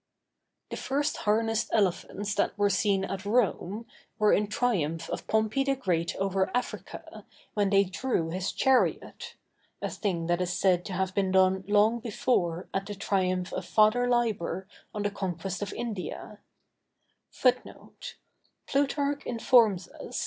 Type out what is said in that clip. The first harnessed elephants that were seen at Rome, were in the triumph of Pompey the Great over Africa, when they drew his chariot; a thing that is said to have been done long before, at the triumph of Father Liber on the conquest of India.